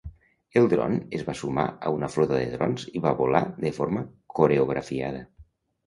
El dron es va sumar a una flota de drons i va volar de forma coreografiada.